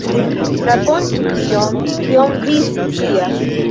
Rakontu tion, kion vi scias.